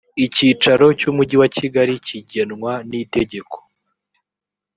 icyicaro cy’umujyi wa kigali kigenwa n’itegeko